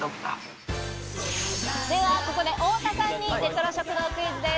ではここで太田さんにレトロ食堂クイズです。